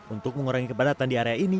untuk mengurangi kepadatan di area ini